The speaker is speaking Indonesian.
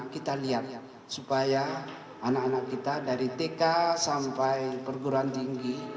kita lihat supaya anak anak kita dari tk sampai perguruan tinggi